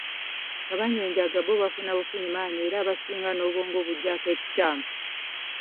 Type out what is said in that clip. Abanywa enjaga bo bafuna bufunyi maanyi era abasinga n'obwongo bujjako ekikyamu.